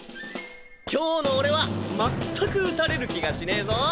今日の俺はまったく打たれる気がしねえぞォ！